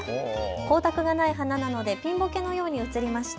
光沢がない花なのでピンぼけのように写りました。